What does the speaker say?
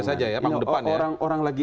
saja ya panggung depan ya orang orang lagi